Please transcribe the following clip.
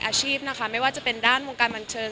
อาชีพนะคะไม่ว่าจะเป็นด้านวงการบันเทิง